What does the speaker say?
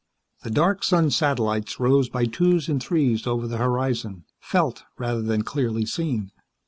The dark sun satellites rose by twos and threes over the horizon, felt rather than clearly seen.